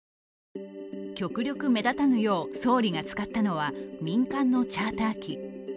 極力目立たぬよう総理が使ったのは民間のチャーター機。